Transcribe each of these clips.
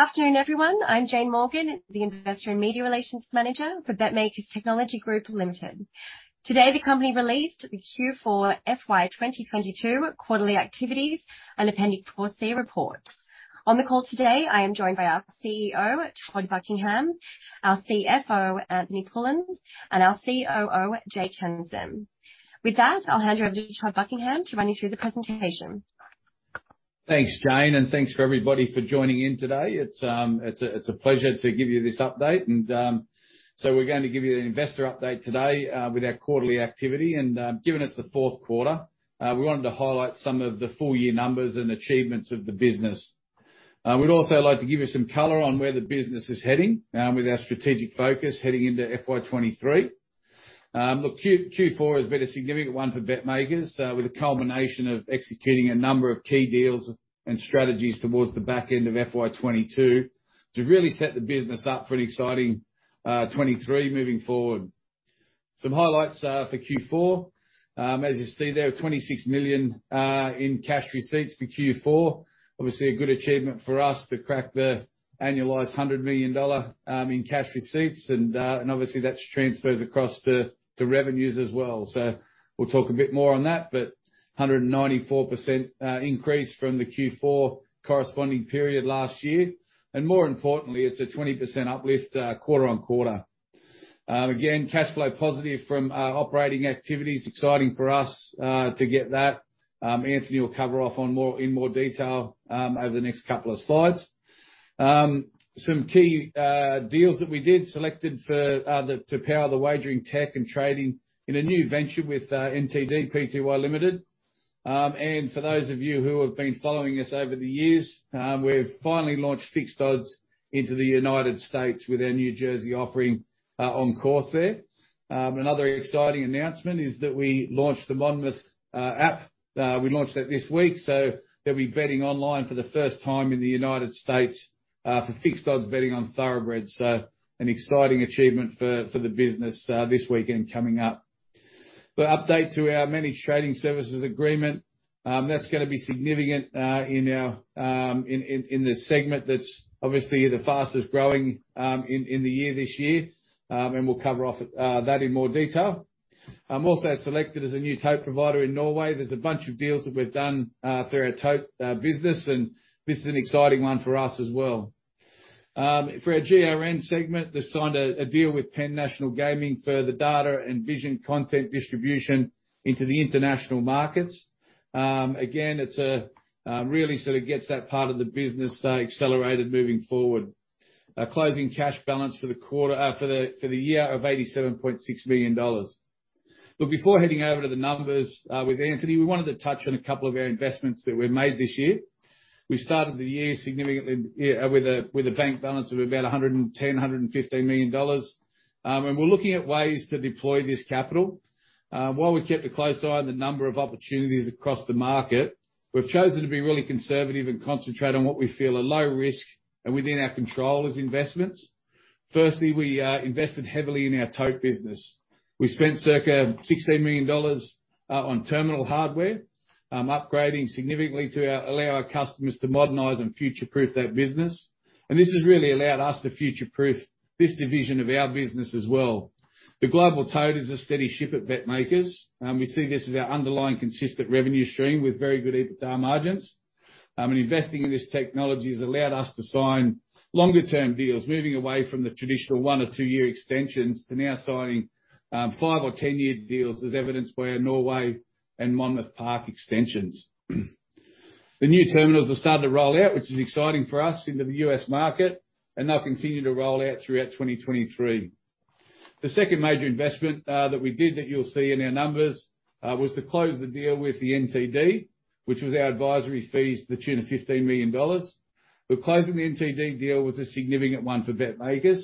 Good afternoon, everyone. I'm Jane Morgan, the Investor and Media Relations Manager for BetMakers Technology Group Ltd. Today, the company released the Q4 FY 2022 quarterly activities and Appendix 4C reports. On the call today, I am joined by our CEO, Todd Buckingham, our CFO, Anthony Pullin, and our COO, Jake Henson. With that, I'll hand you over to Todd Buckingham to run you through the presentation. Thanks, Jane, and thanks for everybody for joining in today. It's a pleasure to give you this update. We're going to give you an investor update today with our quarterly activity. Given it's the fourth quarter, we wanted to highlight some of the full year numbers and achievements of the business. We'd also like to give you some color on where the business is heading with our strategic focus heading into FY 2023. Look, Q4 has been a significant one for BetMakers with a culmination of executing a number of key deals and strategies towards the back end of FY 2022 to really set the business up for an exciting 2023 moving forward. Some highlights for Q4. As you see there, 26 million in cash receipts for Q4. Obviously a good achievement for us to crack the annualized $100 million in cash receipts and obviously that's transfers across to revenues as well. We'll talk a bit more on that but 194% increase from the Q4 corresponding period last year. More importantly, it's a 20% uplift quarter-over-quarter. Again, cash flow positive from our operating activity. It's exciting for us to get that. Anthony will cover in more detail over the next couple of slides. Some key deals that we did selected for the to power the wagering tech and trading in a new venture with NTD Pty Limited. For those of you who have been following us over the years, we've finally launched Fixed Odds into the United States with our New Jersey offering on course there. Another exciting announcement is that we launched the MonmouthBets app. We launched that this week, so there'll be betting online for the first time in the United States for Fixed Odds betting on Thoroughbreds. An exciting achievement for the business this weekend coming up. The update to our managed trading services agreement that's gonna be significant in this segment that's obviously the fastest growing this year. We'll cover off that in more detail. Also selected as a new tote provider in Norway. There's a bunch of deals that we've done through our tote business, and this is an exciting one for us as well. For our GRN segment, they signed a deal with Penn National Gaming for the data and video content distribution into the international markets. Again, it's really sort of gets that part of the business accelerated moving forward. A closing cash balance for the year of 87.6 million dollars. Before heading over to the numbers with Anthony, we wanted to touch on a couple of our investments that we've made this year. We started the year significantly with a bank balance of about 110-115 million dollars. We're looking at ways to deploy this capital. While we kept a close eye on the number of opportunities across the market, we've chosen to be really conservative and concentrate on what we feel are low risk and within our control as investments. Firstly, we invested heavily in our tote business. We spent circa $16 million on terminal hardware, upgrading significantly to allow our customers to modernize and future-proof that business. This has really allowed us to future-proof this division of our business as well. The Global Tote is a steady ship at BetMakers, and we see this as our underlying consistent revenue stream with very good EBITDA margins. Investing in this technology has allowed us to sign longer-term deals, moving away from the traditional 1 or 2 year extensions to now signing 5 or 10 year deals, as evidenced by our Norway and Monmouth Park extensions. The new terminals are starting to roll out, which is exciting for us into the U.S. market, and they'll continue to roll out throughout 2023. The second major investment that we did that you'll see in our numbers was to close the deal with the NTD, which was our advisory fees to the tune of 15 million dollars. Closing the NTD deal was a significant one for BetMakers.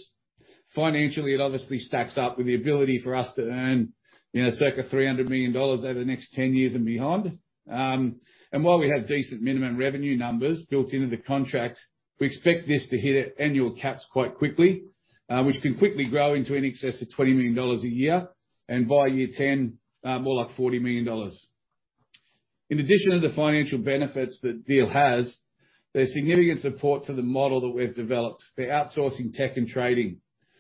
Financially, it obviously stacks up with the ability for us to earn, you know, circa 300 million dollars over the next 10 years and beyond. While we have decent minimum revenue numbers built into the contract, we expect this to hit our annual caps quite quickly, which can quickly grow into in excess of 20 million dollars a year. By year 10, more like 40 million dollars. In addition to the financial benefits that the deal has, there's significant support to the model that we've developed for outsourcing tech and trading.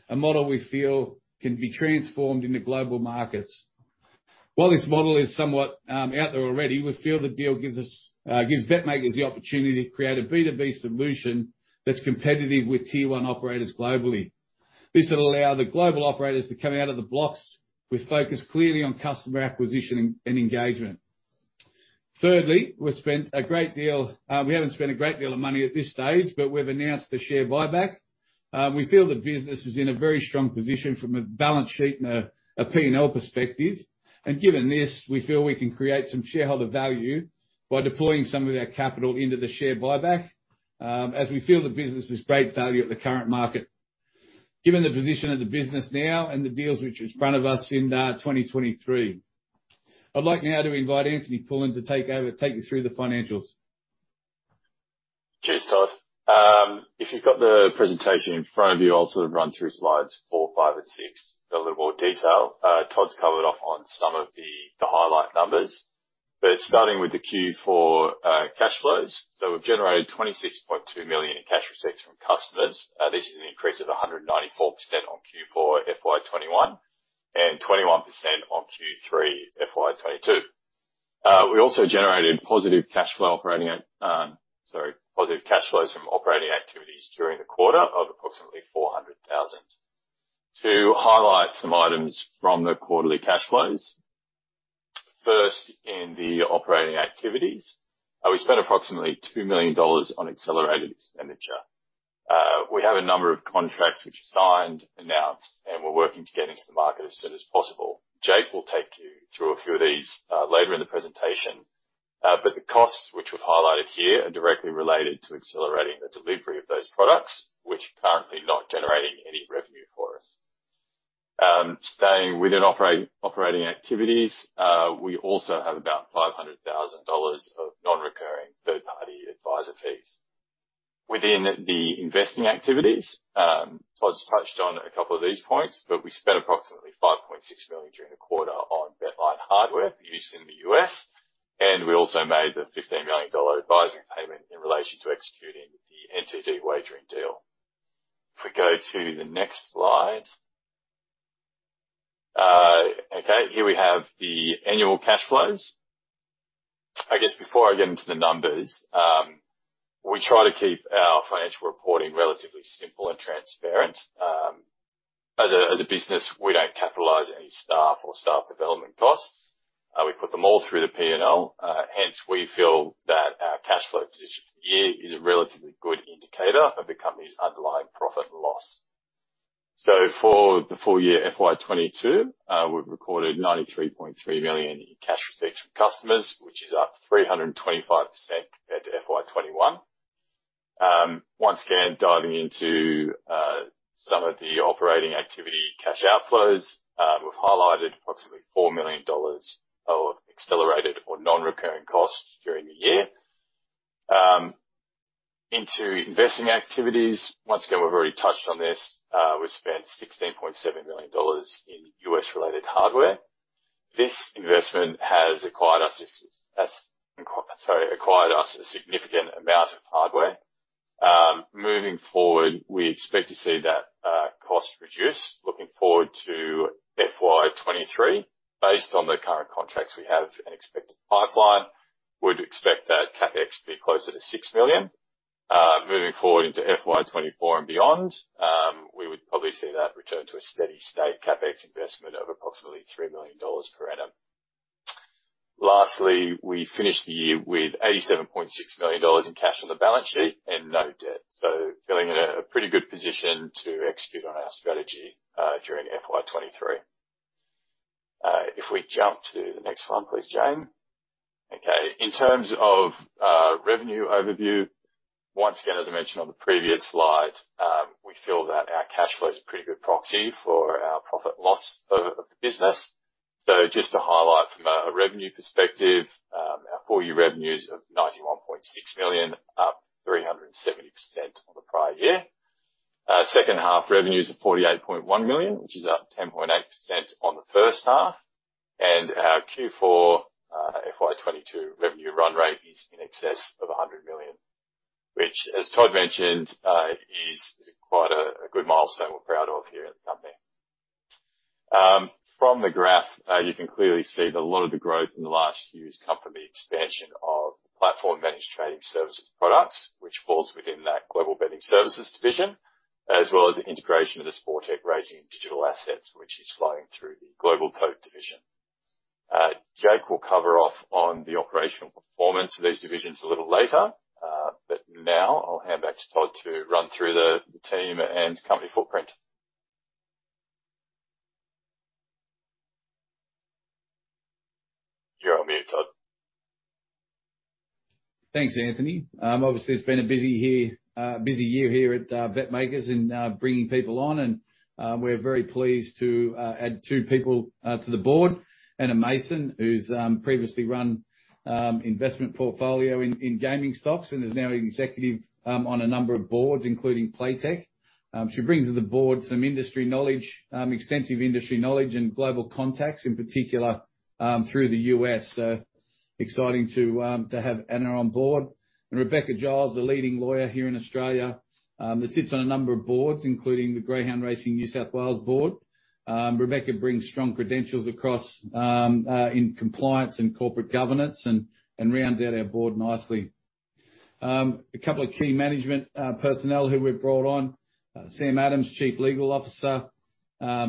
A model we feel can be transformed into global markets. While this model is somewhat out there already, we feel the deal gives BetMakers the opportunity to create a B2B solution that's competitive with tier one operators globally. This will allow the global operators to come out of the blocks with focus clearly on customer acquisition and engagement. Thirdly, we haven't spent a great deal of money at this stage, but we've announced the share buyback. We feel the business is in a very strong position from a balance sheet and a P&L perspective. Given this, we feel we can create some shareholder value by deploying some of our capital into the share buyback, as we feel the business is great value at the current market. Given the position of the business now and the deals which are in front of us in 2023. I'd like now to invite Anthony Pullin to take over, take you through the financials. Cheers, Todd. If you've got the presentation in front of you, I'll sort of run through slides 4, 5 and 6 in a little more detail. Todd's covered off on some of the highlight numbers. Starting with the Q4 cash flows. We've generated 26.2 million in cash receipts from customers. This is an increase of 194% on Q4 FY 2021, and 21% on Q3 FY 2022. We also generated positive cash flows from operating activities during the quarter of approximately 400,000. To highlight some items from the quarterly cash flows. First, in the operating activities, we spent approximately 2 million dollars on accelerated expenditure. We have a number of contracts which are signed, announced, and we're working to get into the market as soon as possible. Jake will take you through a few of these later in the presentation. The costs which we've highlighted here are directly related to accelerating the delivery of those products, which are currently not generating any revenue for us. Staying within operating activities, we also have about 500,000 dollars of non-recurring third-party advisor fees. Within the investing activities. Todd's touched on a couple of these points, but we spent approximately $5.6 million during the quarter on BetLine hardware for use in the U.S. We also made the 15 million dollar advisory payment in relation to executing the NTD wagering deal. If we go to the next slide. Here we have the annual cash flows. I guess before I get into the numbers, we try to keep our financial reporting relatively simple and transparent. As a business, we don't capitalize any staff or staff development costs. We put them all through the P&L. Hence, we feel that our cash flow position for the year is a relatively good indicator of the company's underlying profit and loss. For the full year FY 2022, we've recorded 93.3 million in cash receipts from customers, which is up 325% compared to FY 2021. Once again, diving into some of the operating activity cash outflows. We've highlighted approximately 4 million dollars of accelerated or non-recurring costs during the year. Into investing activities. Once again, we've already touched on this. We spent $16.7 million in U.S. related hardware. This investment has acquired us a significant amount of hardware. Moving forward, we expect to see that cost reduce. Looking forward to FY 2023. Based on the current contracts we have and expected pipeline, we'd expect that CapEx to be closer to 6 million. Moving forward into FY 2024 and beyond, we would probably see that return to a steady state CapEx investment of approximately 3 million dollars per annum. Lastly, we finished the year with 87.6 million dollars in cash on the balance sheet and no debt. Feeling in a pretty good position to execute on our strategy during FY 2023. If we jump to the next one, please, Jane. Okay. In terms of revenue overview, once again, as I mentioned on the previous slide, we feel that our cash flow is a pretty good proxy for our P&L of the business. Just to highlight from a revenue perspective, our full year revenues of 91.6 million, up 370% on the prior year. Second half revenues of 48.1 million, which is up 10.8% on the first half. Our Q4 FY 2022 revenue run rate is in excess of 100 million. Which, as Todd mentioned, is quite a good milestone we're proud of here at the company. From the graph, you can clearly see that a lot of the growth in the last few years come from the expansion of platform managed trading services products, which falls within that Global Betting Services division. As well as the integration of the Sportech Racing and Digital assets, which is flowing through the Global Tote division. Jake will cover off on the operational performance of these divisions a little later. Now I'll hand back to Todd to run through the team and company footprint. You're on mute, Todd. Thanks, Anthony. Obviously, it's been a busy year here at BetMakers in bringing people on and we're very pleased to add two people to the board. Anna Massion, who's previously run investment portfolio in gaming stocks and is now an executive on a number of boards, including Playtech. She brings to the board some industry knowledge, extensive industry knowledge and global contacts, in particular, through the U.S. Exciting to have Anna on board. Rebekah Giles, a leading lawyer here in Australia, that sits on a number of boards, including the Greyhound Racing New South Wales board. Rebekah brings strong credentials across in compliance and corporate governance and rounds out our board nicely. A couple of key management personnel who we've brought on. Sam Adams, Chief Legal Officer.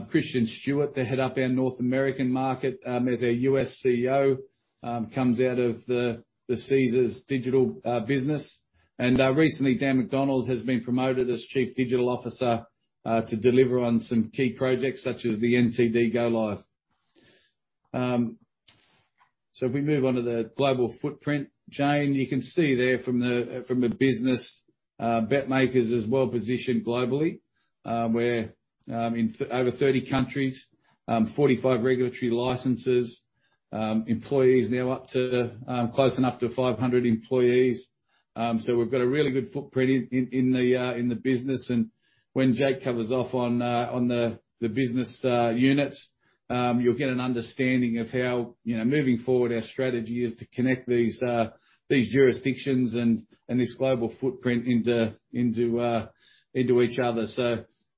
Christian Stuart, the head of our North American market, as our U.S. CEO. Comes out of the Caesars Digital business. Recently, Dan McDonald has been promoted as Chief Digital Officer to deliver on some key projects such as the NTD go live. If we move on to the global footprint, Jane, you can see there from the business, BetMakers is well positioned globally. We're in over 30 countries, 45 regulatory licenses, employees now up to close enough to 500 employees. We've got a really good footprint in the business. When Jake covers off on the business units, you'll get an understanding of how, you know, moving forward, our strategy is to connect these jurisdictions and this global footprint into each other.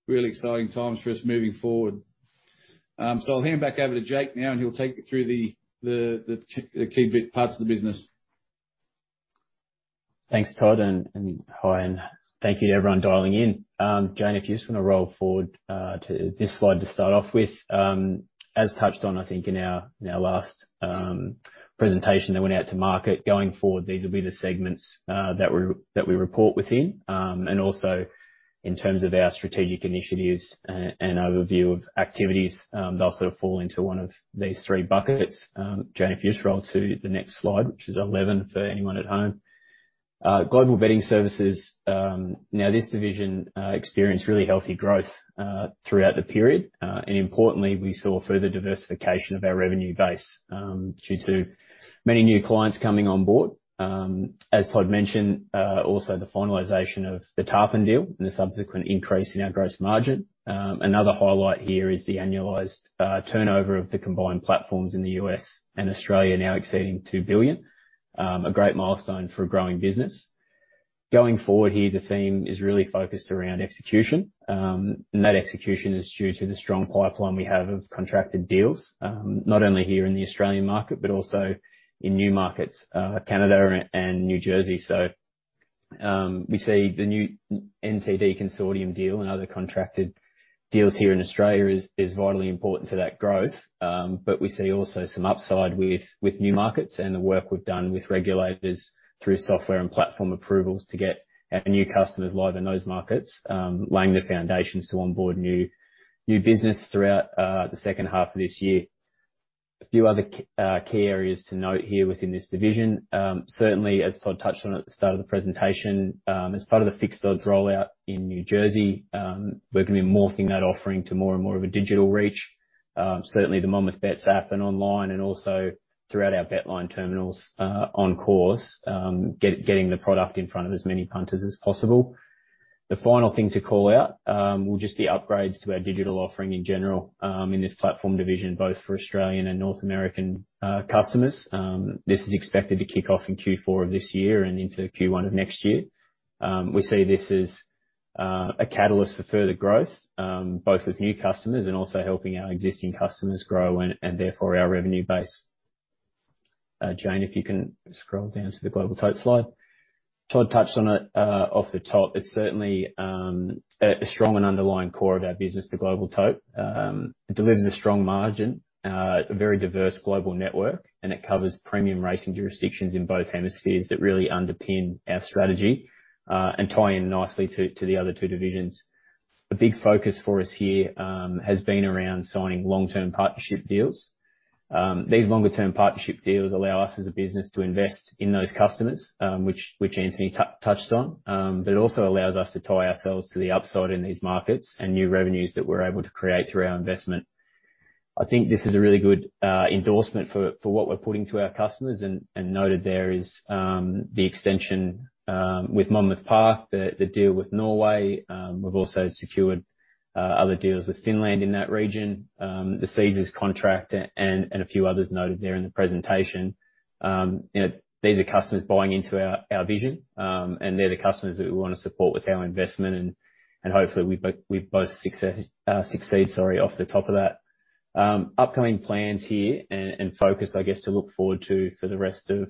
Really exciting times for us moving forward. I'll hand back over to Jake now, and he'll take you through the key parts of the business. Thanks, Todd, and hi, and thank you to everyone dialing in. Jane, if you just wanna roll forward to this slide to start off with. As touched on, I think in our last presentation that went out to market, going forward, these will be the segments that we report within. Also, in terms of our strategic initiatives and overview of activities, they'll sort of fall into one of these three buckets. Jane, if you just roll to the next slide, which is 11 for anyone at home. Global Betting Services. Now this division experienced really healthy growth throughout the period. Importantly, we saw further diversification of our revenue base due to many new clients coming on board. As Todd mentioned, also the finalization of the Tarpin deal and the subsequent increase in our gross margin. Another highlight here is the annualized turnover of the combined platforms in the U.S. and Australia now exceeding 2 billion. A great milestone for a growing business. Going forward here, the theme is really focused around execution. That execution is due to the strong pipeline we have of contracted deals, not only here in the Australian market, but also in new markets, Canada and New Jersey. We see the new NTD consortium deal and other contracted deals here in Australia is vitally important to that growth. We see also some upside with new markets and the work we've done with regulators through software and platform approvals to get our new customers live in those markets, laying the foundations to onboard new business throughout the second half of this year. A few other key areas to note here within this division. Certainly as Todd touched on at the start of the presentation, as part of the fixed odds rollout in New Jersey, we're gonna be morphing that offering to more and more of a digital reach. Certainly the MonmouthBets app and online and also throughout our BetLine terminals on course getting the product in front of as many punters as possible. The final thing to call out will just be upgrades to our digital offering in general, in this platform division, both for Australian and North American customers. This is expected to kick off in Q4 of this year and into Q1 of next year. We see this as a catalyst for further growth, both with new customers and also helping our existing customers grow and therefore our revenue base. Jane, if you can scroll down to the Global Tote slide. Todd touched on it off the top. It's certainly a strong and underlying core of our business, the Global Tote. It delivers a strong margin, a very diverse global network, and it covers premium racing jurisdictions in both hemispheres that really underpin our strategy and tie in nicely to the other two divisions. A big focus for us here has been around signing long-term partnership deals. These longer-term partnership deals allow us as a business to invest in those customers, which Anthony touched on. But it also allows us to tie ourselves to the upside in these markets and new revenues that we're able to create through our investment. I think this is a really good endorsement for what we're putting to our customers, and noted there is the extension with Monmouth Park, the deal with Norway. We've also secured other deals with Finland in that region, the Caesars contract and a few others noted there in the presentation. You know, these are customers buying into our vision, and they're the customers that we wanna support with our investment. Hopefully we both succeed off the top of that. Upcoming plans here and focus, I guess, to look forward to for the rest of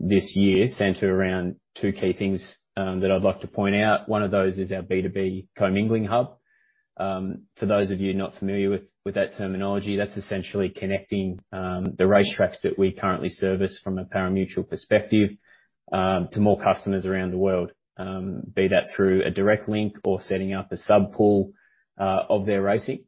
this year center around two key things that I'd like to point out. One of those is our B2B commingling hub. For those of you not familiar with that terminology, that's essentially connecting the racetracks that we currently service from a parimutuel perspective to more customers around the world, be that through a direct link or setting up a sub pool of their racing.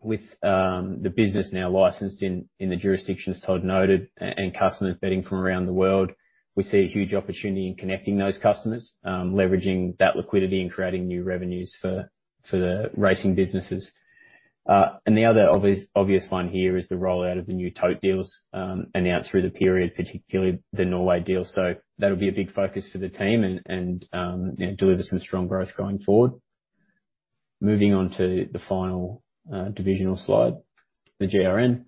With the business now licensed in the jurisdictions Todd noted and customers betting from around the world, we see a huge opportunity in connecting those customers, leveraging that liquidity and creating new revenues for the racing businesses. The other obvious one here is the rollout of the new Tote deals, announced through the period, particularly the Norway deal. That'll be a big focus for the team and you know, deliver some strong growth going forward. Moving on to the final divisional slide, the GRN.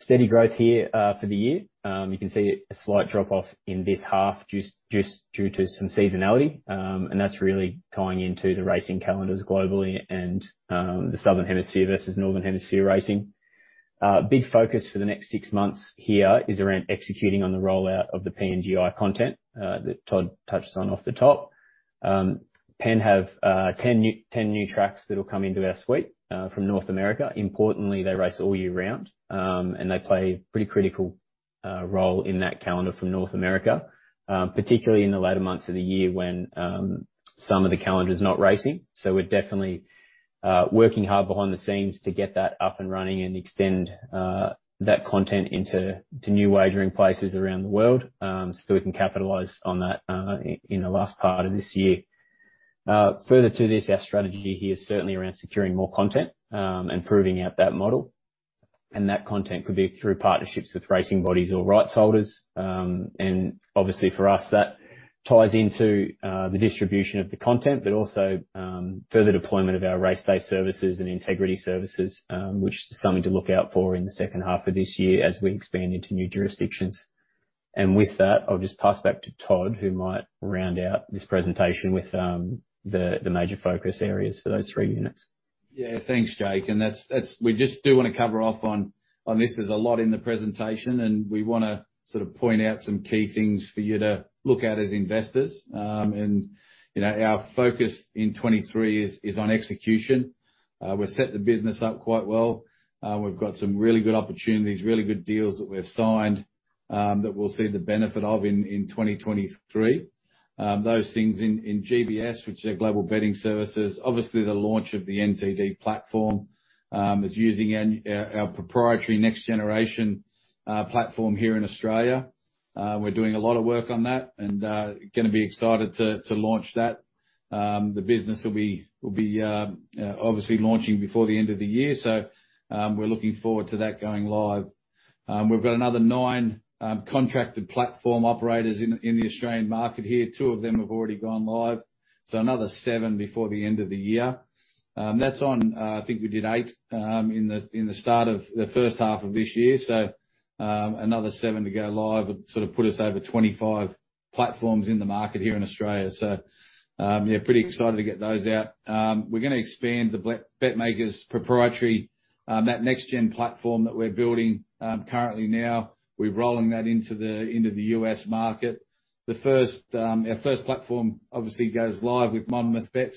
Steady growth here for the year. You can see a slight drop off in this half just due to some seasonality. That's really tying into the racing calendars globally and the Southern Hemisphere versus Northern Hemisphere racing. Big focus for the next six months here is around executing on the rollout of the PNGi content that Todd touched on off the top. Penn have 10 new tracks that will come into our suite from North America. Importantly, they race all year round, and they play a pretty critical role in that calendar for North America, particularly in the latter months of the year when some of the calendar's not racing. We're definitely working hard behind the scenes to get that up and running and extend that content into new wagering places around the world, so we can capitalize on that in the last part of this year. Further to this, our strategy here is certainly around securing more content, and proving out that model. That content could be through partnerships with racing bodies or rights holders. Obviously for us, that ties into the distribution of the content, but also further deployment of our race day services and integrity services, which is something to look out for in the second half of this year as we expand into new jurisdictions. With that, I'll just pass back to Todd, who might round out this presentation with the major focus areas for those three units. Yeah. Thanks, Jake, and that's we just do wanna cover off on this. There's a lot in the presentation, and we wanna sort of point out some key things for you to look at as investors. You know, our focus in 2023 is on execution. We've set the business up quite well. We've got some really good opportunities, really good deals that we have signed, that we'll see the benefit of in 2023. Those things in GBS, which are Global Betting Services, obviously the launch of the NTD platform, is using our proprietary next generation platform here in Australia. We're doing a lot of work on that, and gonna be excited to launch that. The business will be obviously launching before the end of the year. We're looking forward to that going live. We've got another nine contracted platform operators in the Australian market here. Two of them have already gone live, another seven before the end of the year. That's on, I think we did eight in the start of the first half of this year. Another seven to go live would sort of put us over 25 platforms in the market here in Australia. Yeah, pretty excited to get those out. We're gonna expand the BetMakers proprietary that nextGen platform that we're building. Currently now, we're rolling that into the U.S. market. Our first platform obviously goes live with MonmouthBets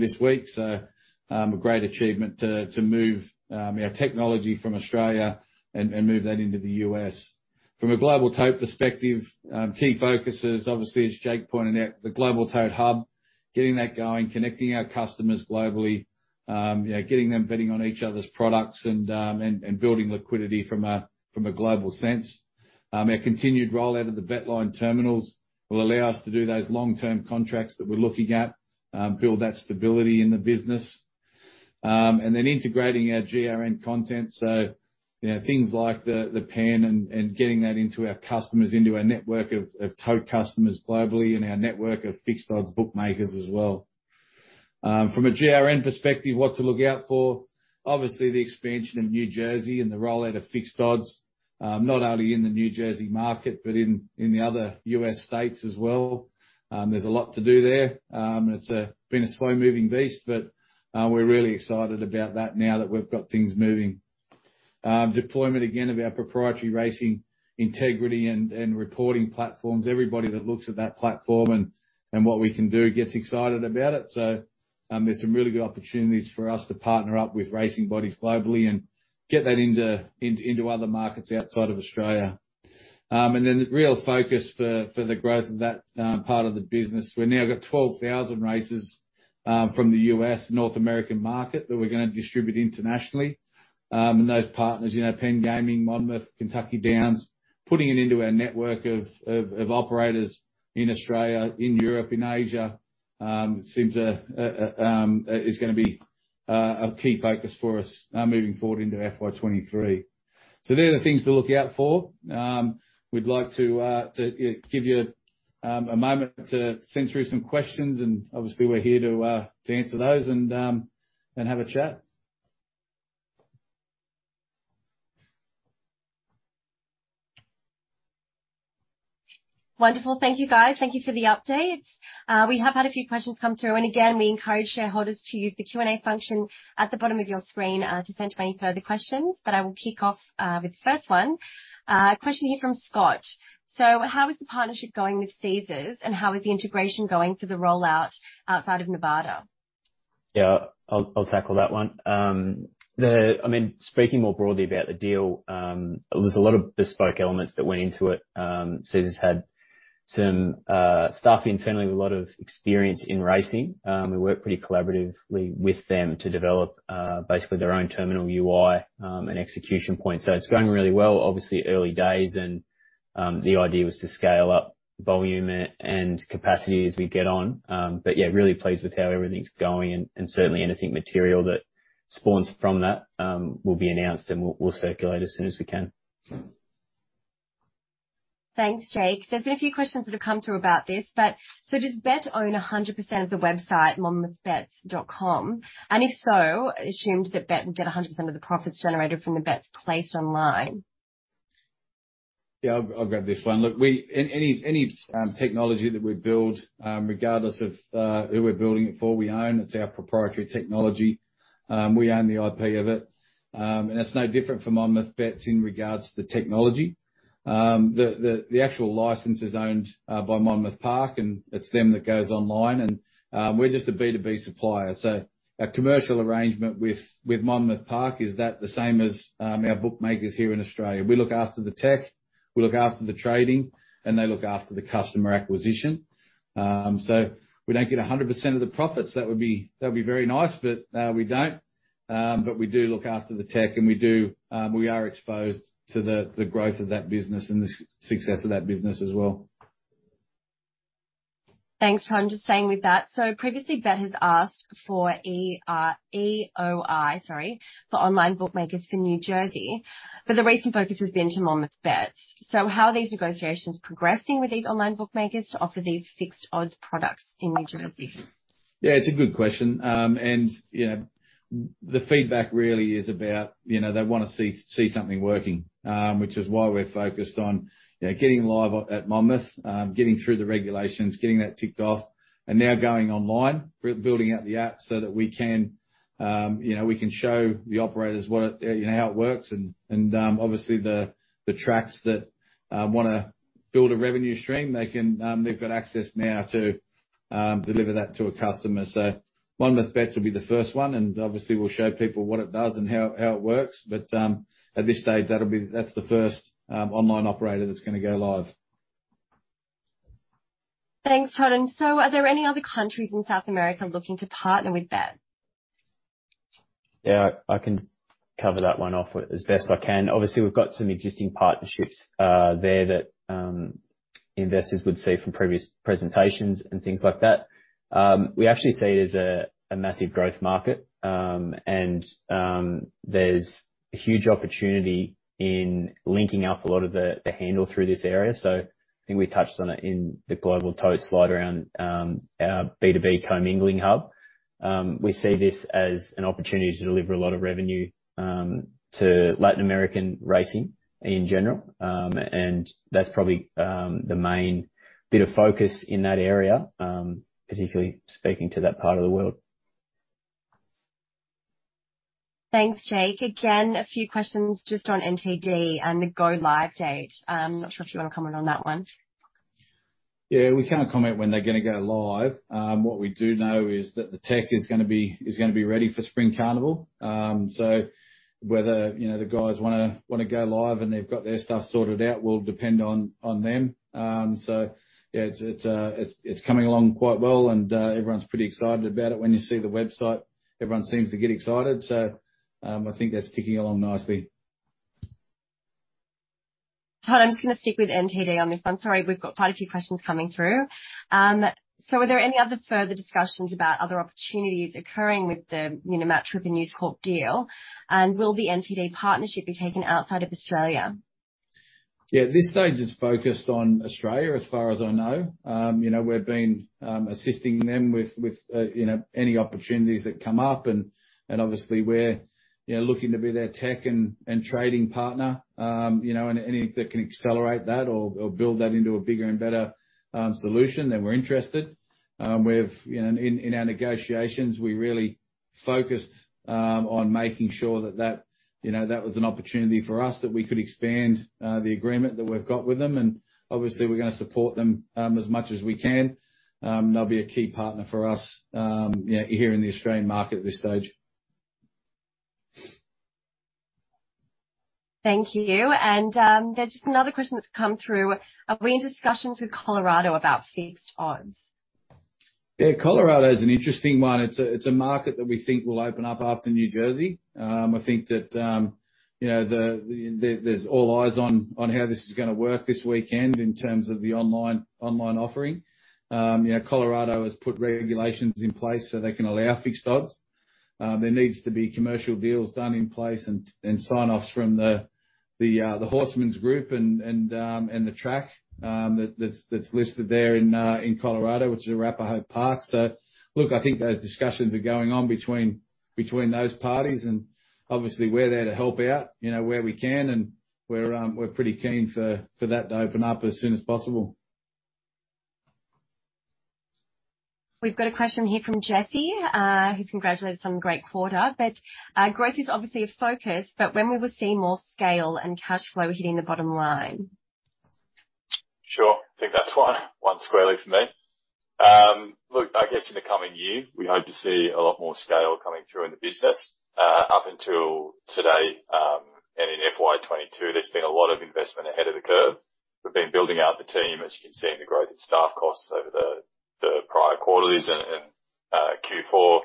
this week. A great achievement to move our technology from Australia and move that into the U.S. From a Global Tote perspective, key focuses, obviously, as Jake pointed out, the Global Tote hub, getting that going, connecting our customers globally, you know, getting them betting on each other's products and building liquidity from a global sense. Our continued roll out of the BetLine terminals will allow us to do those long-term contracts that we're looking at, build that stability in the business. And then integrating our GRN content. You know, things like the PENN and getting that into our customers, into our network of tote customers globally and our network of fixed odds bookmakers as well. From a GRN perspective, what to look out for, obviously the expansion of New Jersey and the rollout of Fixed Odds, not only in the New Jersey market, but in the other U.S. states as well. There's a lot to do there. It's been a slow-moving beast, but we're really excited about that now that we've got things moving. Deployment again of our proprietary racing integrity and reporting platforms. Everybody that looks at that platform and what we can do gets excited about it. There's some really good opportunities for us to partner up with racing bodies globally and get that into other markets outside of Australia. Then the real focus for the growth of that part of the business. We've now got 12,000 races from the U.S. North American market that we're gonna distribute internationally. Those partners, you know, PENN Entertainment, Monmouth Park, Kentucky Downs, putting it into our network of operators in Australia, in Europe, in Asia, is gonna be a key focus for us moving forward into FY 2023. They're the things to look out for. We'd like to give you a moment to send through some questions, and obviously we're here to answer those and have a chat. Wonderful. Thank you, guys. Thank you for the updates. We have had a few questions come through, and again, we encourage shareholders to use the Q&A function at the bottom of your screen to send any further questions. I will kick off with the first one. A question here from Scott. How is the partnership going with Caesars, and how is the integration going for the rollout outside of Nevada? Yeah, I'll tackle that one. I mean, speaking more broadly about the deal, there's a lot of bespoke elements that went into it. Caesars had some staff internally with a lot of experience in racing. We worked pretty collaboratively with them to develop basically their own terminal UI and execution point. It's going really well. Obviously early days, and the idea was to scale up volume and capacity as we get on. Yeah, really pleased with how everything's going and certainly anything material that spawns from that will be announced and we'll circulate as soon as we can. Thanks, Jake. There's been a few questions that have come through about this. Does Bet own 100% of the website, MonmouthBets.com, and if so, assumed that Bet would get 100% of the profits generated from the bets placed online? Yeah. I'll grab this one. Look, any technology that we build, regardless of who we're building it for, we own. It's our proprietary technology. We own the IP of it. That's no different from MonmouthBets in regards to the technology. The actual license is owned by Monmouth Park, and it's them that goes online and we're just a B2B supplier. Our commercial arrangement with Monmouth Park is that the same as our bookmakers here in Australia. We look after the tech, we look after the trading, and they look after the customer acquisition. We don't get 100% of the profits. That'd be very nice, but we don't. We do look after the tech, and we are exposed to the growth of that business and the success of that business as well. Thanks, Todd. Just staying with that. Previously BetMakers has asked for EOI, sorry, for online bookmakers for New Jersey, but the recent focus has been to MonmouthBets. How are these negotiations progressing with these online bookmakers to offer these Fixed Odds products in New Jersey? Yeah, it's a good question. You know, the feedback really is about, you know, they wanna see something working, which is why we're focused on, you know, getting live at Monmouth, getting through the regulations, getting that ticked off and now going online. We're building out the app so that we can, you know, we can show the operators what it, you know, how it works and, obviously the tracks that wanna build a revenue stream, they can, they've got access now to deliver that to a customer. MonmouthBets will be the first one, and obviously we'll show people what it does and how it works. At this stage, that's the first online operator that's gonna go live. Thanks, Todd. Are there any other countries in South America looking to partner with Bet? Yeah, I can cover that one off as best I can. Obviously, we've got some existing partnerships there that investors would see from previous presentations and things like that. We actually see it as a massive growth market, and there's huge opportunity in linking up a lot of the handle through this area. I think we touched on it in the Global Tote slide around our B2B commingling hub. We see this as an opportunity to deliver a lot of revenue to Latin American racing in general. That's probably the main bit of focus in that area, particularly speaking to that part of the world. Thanks, Jake. Again, a few questions just on NTD and the go live date. Not sure if you wanna comment on that one. Yeah. We can't comment when they're gonna go live. What we do know is that the tech is gonna be ready for Spring Carnival. Whether, you know, the guys wanna go live and they've got their stuff sorted out will depend on them. Yeah, it's coming along quite well, and everyone's pretty excited about it. When you see the website, everyone seems to get excited, so I think that's ticking along nicely. Todd, I'm just gonna stick with NTD on this one. Sorry, we've got quite a few questions coming through. Are there any other further discussions about other opportunities occurring with the, you know, match with the News Corp deal, and will the NTD partnership be taken outside of Australia? Yeah. This stage is focused on Australia, as far as I know. You know, we've been assisting them with, you know, any opportunities that come up and obviously we're, you know, looking to be their tech and trading partner. You know, and any that can accelerate that or build that into a bigger and better solution, then we're interested. In our negotiations, we really focused on making sure that, you know, that was an opportunity for us, that we could expand the agreement that we've got with them. Obviously, we're gonna support them as much as we can. They'll be a key partner for us, you know, here in the Australian market at this stage. Thank you. There's just another question that's come through. Are we in discussions with Colorado about Fixed Odds? Yeah. Colorado is an interesting one. It's a market that we think will open up after New Jersey. I think that, you know, there's all eyes on how this is gonna work this weekend in terms of the online offering. You know, Colorado has put regulations in place so they can allow Fixed Odds. There needs to be commercial deals done in place and sign offs from the horseman's group and the track that's listed there in Colorado, which is Arapahoe Park. Look, I think those discussions are going on between those parties, and obviously, we're there to help out, you know, where we can. We're pretty keen for that to open up as soon as possible. We've got a question here from Jesse, who congratulated us on a great quarter, but growth is obviously a focus, but when will we see more scale and cash flow hitting the bottom line? Sure. I think that's one squarely for me. Look, I guess in the coming year, we hope to see a lot more scale coming through in the business. Up until today, and in FY 22, there's been a lot of investment ahead of the curve. We've been building out the team, as you can see in the growth in staff costs over the prior quarters and Q4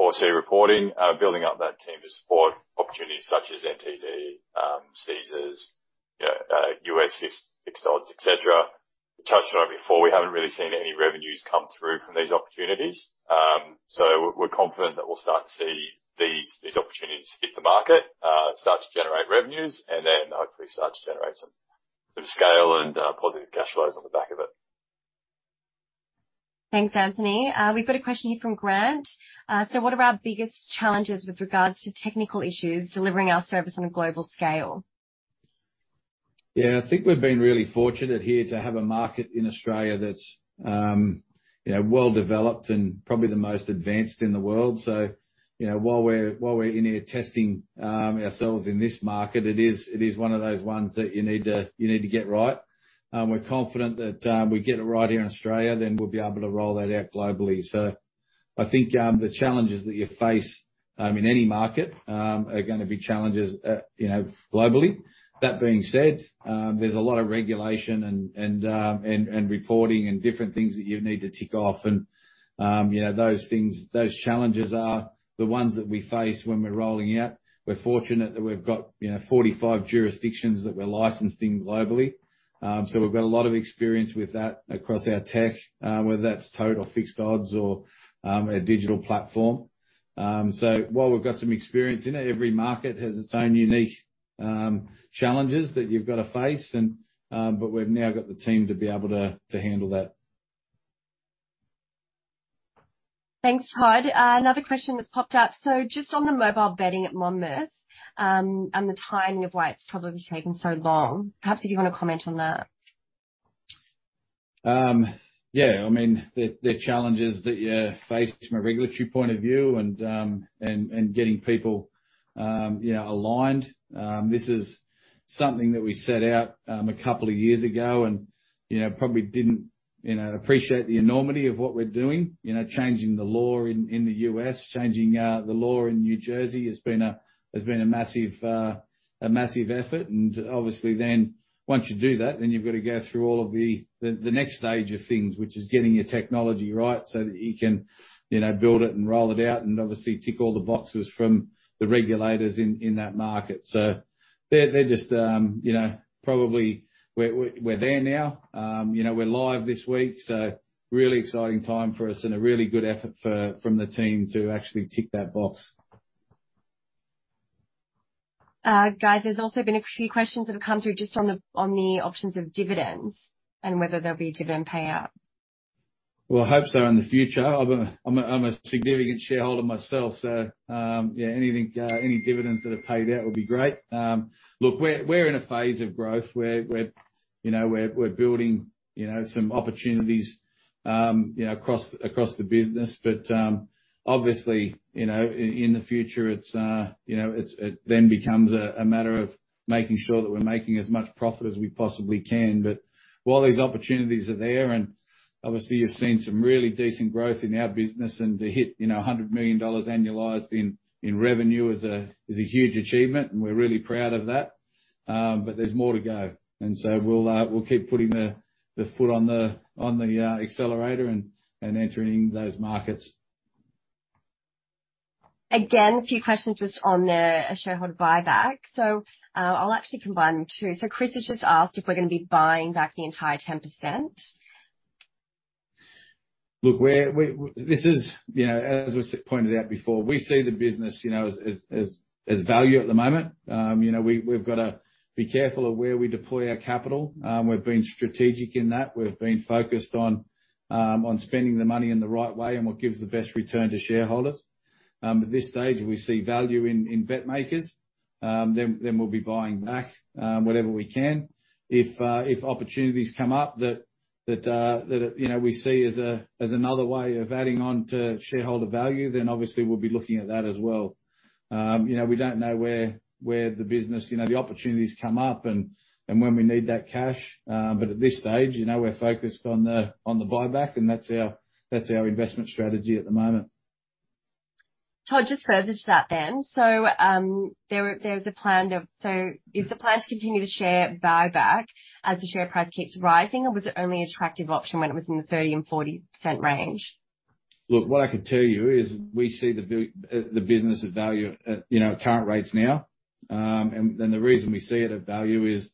4C reporting. Building out that team to support opportunities such as NTD, Caesars, you know, U.S. Fixed Odds, et cetera. We touched on it before, we haven't really seen any revenues come through from these opportunities. We're confident that we'll start to see these opportunities hit the market, start to generate revenues, and then hopefully start to generate some scale and positive cash flows on the back of it. Thanks, Anthony. We've got a question here from Grant. What are our biggest challenges with regards to technical issues delivering our service on a global scale? Yeah. I think we've been really fortunate here to have a market in Australia that's, you know, well developed and probably the most advanced in the world. You know, while we're in here testing ourselves in this market, it is one of those ones that you need to get right. We're confident that we get it right here in Australia, then we'll be able to roll that out globally. I think the challenges that you face in any market are gonna be challenges you know, globally. That being said, there's a lot of regulation and reporting and different things that you need to tick off. You know, those things, those challenges are the ones that we face when we're rolling out. We're fortunate that we've got, you know, 45 jurisdictions that we're licensed in globally. We've got a lot of experience with that across our tech, whether that's tote Fixed Odds or a digital platform. While we've got some experience in it, every market has its own unique challenges that you've gotta face and, but we've now got the team to be able to handle that. Thanks, Todd. Another question that's popped up. Just on the mobile betting at Monmouth, and the timing of why it's probably taken so long, perhaps if you wanna comment on that. Yeah. I mean, the challenges that you face from a regulatory point of view and getting people, you know, aligned. This is something that we set out a couple of years ago and, you know, probably didn't, you know, appreciate the enormity of what we're doing. You know, changing the law in the U.S., changing the law in New Jersey has been a massive effort. Obviously then once you do that, then you've gotta go through all of the next stage of things, which is getting your technology right so that you can, you know, build it and roll it out and obviously tick all the boxes from the regulators in that market. They're just, you know, probably we're there now. You know, we're live this week, so really exciting time for us and a really good effort from the team to actually tick that box. Guys, there's also been a few questions that have come through just on the options of dividends and whether there'll be a dividend payout. Well, I hope so in the future. I'm a significant shareholder myself, so yeah, anything, any dividends that are paid out would be great. Look, we're in a phase of growth. You know, we're building you know, some opportunities you know, across the business. Obviously, you know, in the future it's you know, it then becomes a matter of making sure that we're making as much profit as we possibly can. While these opportunities are there, and obviously you've seen some really decent growth in our business and to hit you know, 100 million dollars annualized in revenue is a huge achievement, and we're really proud of that. There's more to go. We'll keep putting the foot on the accelerator and entering those markets. Again, a few questions just on the shareholder buyback. I'll actually combine them, too. Chris has just asked if we're gonna be buying back the entire 10%. Look, this is, you know, as was pointed out before, we see the business, you know, as value at the moment. You know, we've gotta be careful of where we deploy our capital. We've been strategic in that. We've been focused on spending the money in the right way and what gives the best return to shareholders. At this stage, we see value in BetMakers. We'll be buying back whatever we can. If opportunities come up that, you know, we see as another way of adding on to shareholder value, then obviously we'll be looking at that as well. You know, we don't know where the business, you know, the opportunities come up and when we need that cash. At this stage, you know, we're focused on the buyback and that's our investment strategy at the moment. Todd, just further to that then. Is the plan to continue the share buyback as the share price keeps rising, or was it only attractive option when it was in the 30% to 40% range? Look, what I can tell you is we see the business of value at, you know, at current rates now. The reason we see it of value is,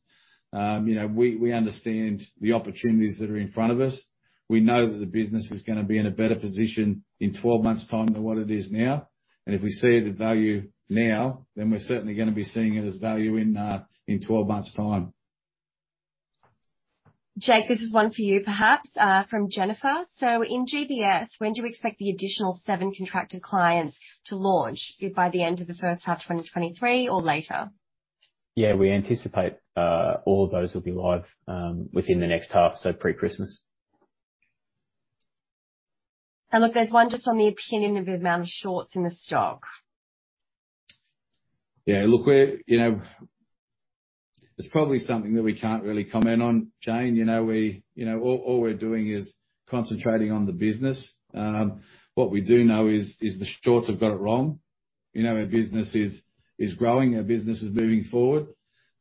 you know, we understand the opportunities that are in front of us. We know that the business is gonna be in a better position in 12 months' time than what it is now. If we see the value now, then we're certainly gonna be seeing it as value in 12 months time. Jake, this is one for you perhaps, from Jennifer. In GBS, when do you expect the additional seven contracted clients to launch? Is it by the end of the first half 2023 or later? Yeah, we anticipate all of those will be live within the next half, so pre-Christmas. Look, there's one just on the opinion of the amount of shorts in the stock. Yeah. Look, we're you know. It's probably something that we can't really comment on, Jane. You know, all we're doing is concentrating on the business. What we do know is the shorts have got it wrong. You know, our business is growing, our business is moving forward.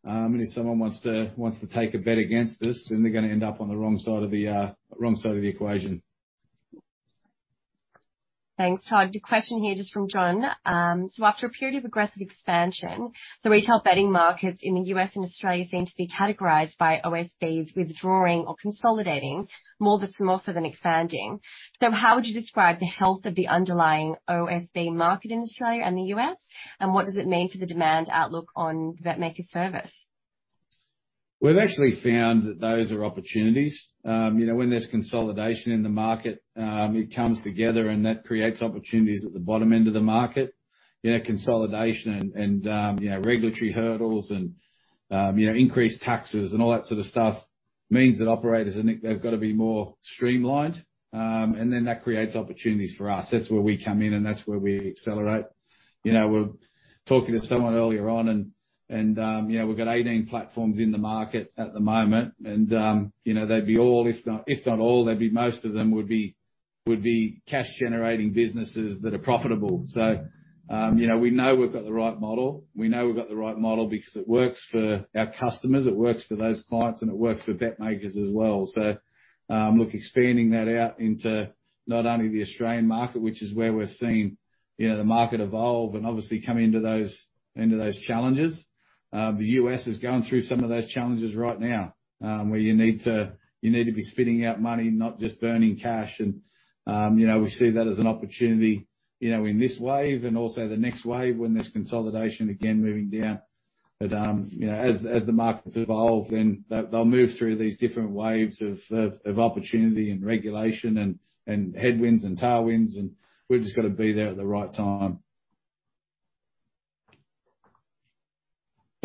If someone wants to take a bet against us, then they're gonna end up on the wrong side of the wrong side of the equation. Thanks, Todd. A question here just from John. After a period of aggressive expansion, the retail betting markets in the U.S. and Australia seem to be categorized by OSBs withdrawing or consolidating more but smaller than expanding. How would you describe the health of the underlying OSB market in Australia and the U.S., and what does it mean for the demand outlook on BetMakers service? We've actually found that those are opportunities. You know, when there's consolidation in the market, it comes together and that creates opportunities at the bottom end of the market. You know, consolidation and regulatory hurdles and increased taxes and all that sort of stuff means that operators are they've gotta be more streamlined. Then that creates opportunities for us. That's where we come in, and that's where we accelerate. You know, we're talking to someone earlier on and we've got 18 platforms in the market at the moment, and you know, they'd be all, if not all, most of them would be cash generating businesses that are profitable. You know, we know we've got the right model. We know we've got the right model because it works for our customers, it works for those clients, and it works for BetMakers as well. Look, expanding that out into not only the Australian market, which is where we're seeing, you know, the market evolve and obviously come into those challenges. The U.S. is going through some of those challenges right now, where you need to be spitting out money, not just burning cash. You know, we see that as an opportunity, you know, in this wave and also the next wave when there's consolidation again, moving down. You know, as the markets evolve, then they'll move through these different waves of opportunity and regulation and headwinds and tailwinds, and we've just gotta be there at the right time.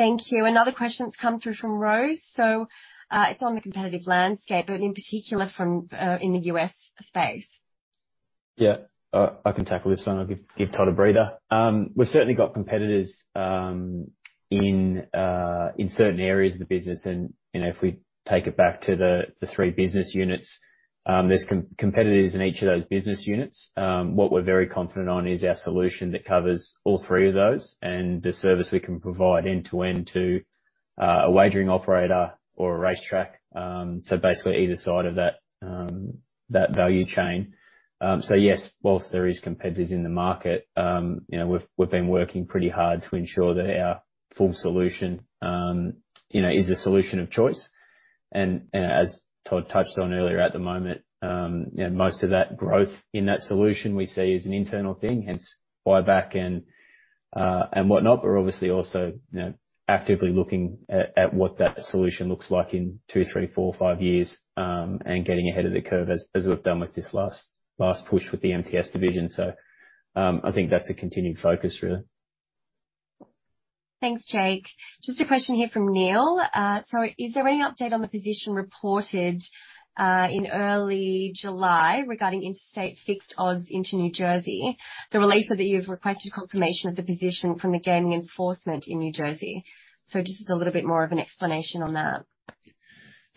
Thank you. Another question's come through from Rose. It's on the competitive landscape, but in particular from, in the U.S. space. Yeah. I can tackle this one. I'll give Todd a breather. We've certainly got competitors in certain areas of the business and, you know, if we take it back to the three business units, there's competitors in each of those business units. What we're very confident on is our solution that covers all three of those and the service we can provide end-to-end to a wagering operator or a racetrack. Basically either side of that value chain. Yes, while there is competitors in the market, you know, we've been working pretty hard to ensure that our full solution, you know, is the solution of choice. You know, as Todd touched on earlier, at the moment, you know, most of that growth in that solution we see is an internal thing, hence buyback and whatnot. We're obviously also, you know, actively looking at what that solution looks like in 2, 3, 4, 5 years, and getting ahead of the curve, as we've done with this last push with the MTS division. I think that's a continuing focus, really. Thanks, Jake. Just a question here from Neil. Is there any update on the position reported in early July regarding interstate fixed odds into New Jersey? The release said that you've requested confirmation of the position from the gaming enforcement in New Jersey. Just a little bit more of an explanation on that.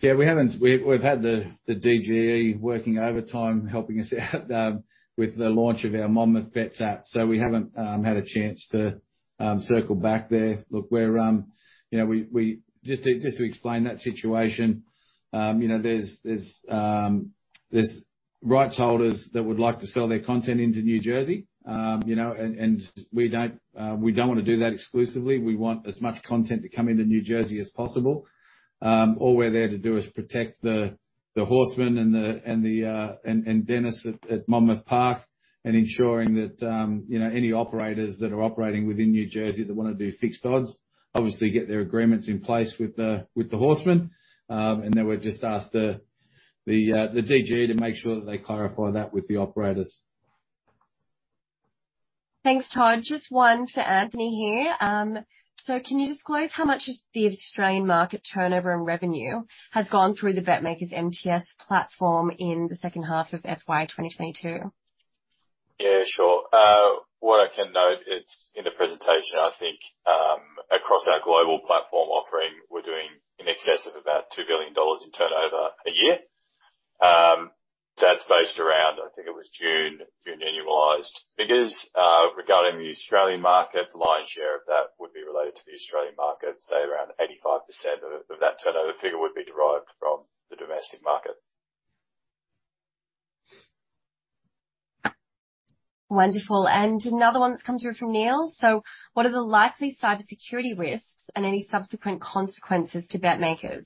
Yeah. We've had the DGE working overtime helping us out with the launch of our MonmouthBets app. We haven't had a chance to circle back there. Look, just to explain that situation, you know, there's rights holders that would like to sell their content into New Jersey. You know, we don't wanna do that exclusively. We want as much content to come into New Jersey as possible. All we're there to do is protect the horsemen and Dennis at Monmouth Park and ensuring that, you know, any operators that are operating within New Jersey that wanna do Fixed Odds obviously get their agreements in place with the horsemen. We've just asked the DGE to make sure that they clarify that with the operators. Thanks, Todd. Just one for Anthony here. Can you disclose how much has the Australian market turnover and revenue has gone through the BetMakers MTS platform in the second half of FY 2022? Yeah, sure. What I can note, it's in the presentation, I think, across our global platform offering, we're doing in excess of about 2 billion dollars in turnover a year. That's based around, I think it was June annualized figures. Regarding the Australian market, lion's share of that would be related to the Australian market, say around 85% of that turnover figure would be derived from the domestic market. Wonderful. Another one that's come through from Neil. What are the likely cybersecurity risks and any subsequent consequences to BetMakers?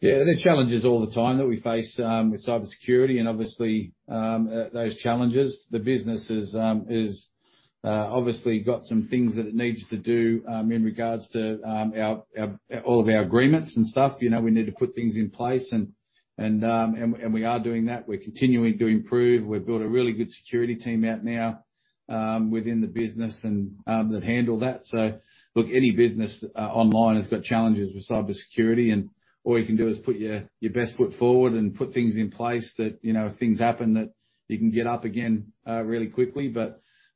Yeah. There are challenges all the time that we face, with cybersecurity and obviously, those challenges. The business is obviously got some things that it needs to do, in regards to, our, all of our agreements and stuff. You know, we need to put things in place and we are doing that. We're continuing to improve. We've built a really good security team out now, within the business and, that handle that. So look, any business, online has got challenges with cybersecurity, and all you can do is put your best foot forward and put things in place that, you know, if things happen, that you can get up again, really quickly.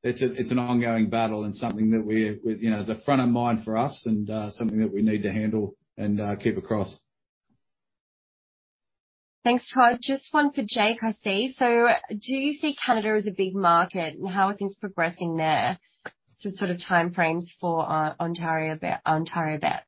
It's an ongoing battle and something that we're you know is at front of mind for us and something that we need to handle and keep across. Thanks, Todd. Just one for Jake, I see. Do you see Canada as a big market, and how are things progressing there to sort of timeframes for OntarioBets, OntarioBets?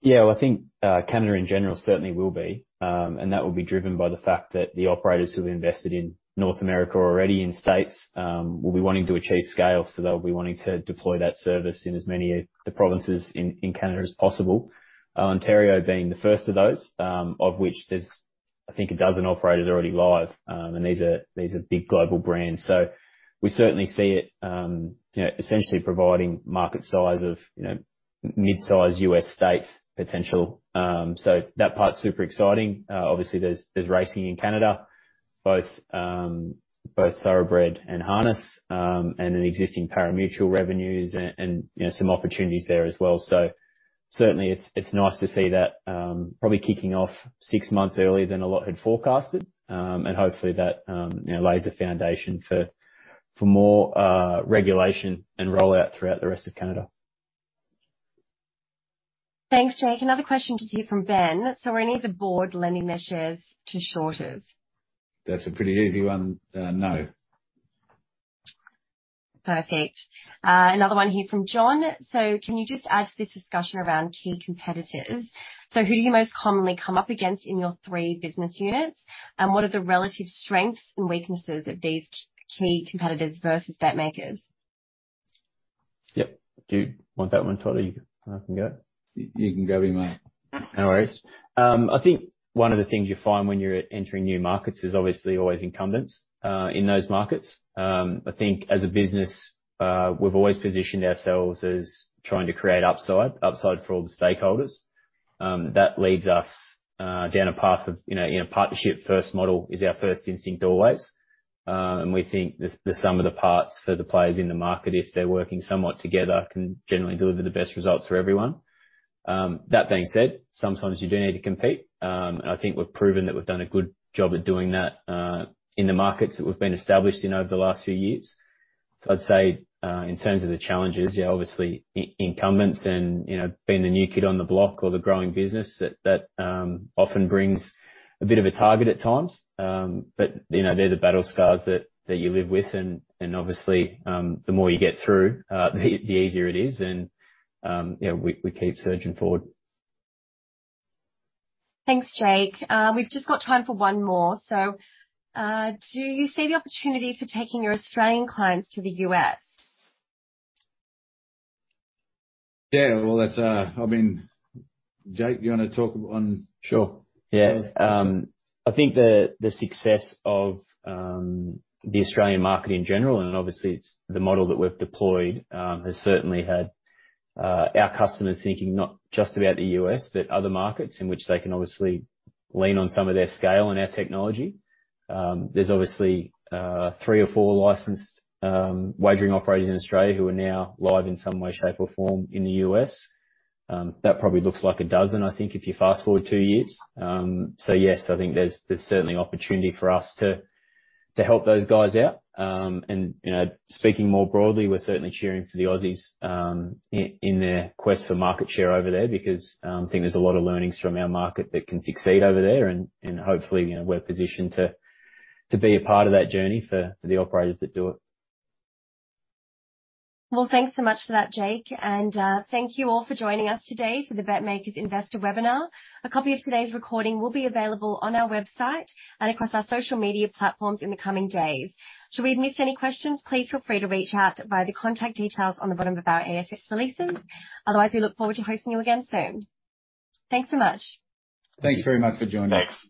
Yeah. Well, I think Canada in general certainly will be. That will be driven by the fact that the operators who've invested in North America are already in states will be wanting to achieve scale, so they'll be wanting to deploy that service in as many of the provinces in Canada as possible. Ontario being the first of those, of which there's I think a dozen operators already live. These are big global brands. We certainly see it, you know, essentially providing market size of, you know, mid-sized U.S. states potential. That part's super exciting. Obviously there's racing in Canada, both Thoroughbred and Harness, and an existing parimutuel revenues and, you know, some opportunities there as well. Certainly it's nice to see that probably kicking off six months earlier than a lot had forecasted. Hopefully that you know lays a foundation for more regulation and rollout throughout the rest of Canada. Thanks, Jake. Another question just here from Ben. Are any of the board lending their shares to short sellers? That's a pretty easy one. No. Perfect. Another one here from John. Can you just add to this discussion around key competitors? Who do you most commonly come up against in your three business units? What are the relative strengths and weaknesses of these key competitors versus BetMakers? Yep. Do you want that one, Todd, or I can go? You can grab it, mate. No worries. I think one of the things you find when you're entering new markets is obviously always incumbents in those markets. I think as a business, we've always positioned ourselves as trying to create upside for all the stakeholders. That leads us down a path of, you know, partnership first model is our first instinct always. We think the sum of the parts for the players in the market, if they're working somewhat together, can generally deliver the best results for everyone. That being said, sometimes you do need to compete. I think we've proven that we've done a good job at doing that in the markets that we've been established in over the last few years. I'd say in terms of the challenges, yeah, obviously incumbents and, you know, being the new kid on the block or the growing business that often brings a bit of a target at times. You know, they're the battle scars that you live with and obviously, the more you get through, the easier it is and, you know, we keep surging forward. Thanks, Jake. We've just got time for one more. Do you see the opportunity for taking your Australian clients to the U.S.? Yeah. Well, that's, I mean, Jake, you wanna talk on- Sure. Yeah. I think the success of the Australian market in general, and obviously it's the model that we've deployed, has certainly had our customers thinking not just about the U.S., but other markets in which they can obviously lean on some of their scale and our technology. There's obviously three or four licensed wagering operators in Australia who are now live in some way, shape, or form in the U.S. That probably looks like a dozen, I think, if you fast-forward two years. Yes, I think there's certainly opportunity for us to help those guys out. You know, speaking more broadly, we're certainly cheering for the Aussies in their quest for market share over there because I think there's a lot of learnings from our market that can succeed over there. Hopefully, you know, we're positioned to be a part of that journey for the operators that do it. Well, thanks so much for that, Jake. Thank you all for joining us today for the BetMakers Investor Webinar. A copy of today's recording will be available on our website and across our social media platforms in the coming days. Should we have missed any questions, please feel free to reach out via the contact details on the bottom of our ASX releases. Otherwise, we look forward to hosting you again soon. Thanks so much. Thanks very much for joining us.